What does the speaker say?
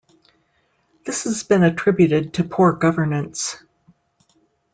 This has been attributed to poor governance.